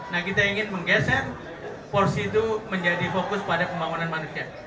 nah kita ingin menggeser porsi itu menjadi fokus pada pembangunan manusia